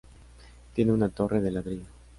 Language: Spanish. Tiene una torre de ladrillo.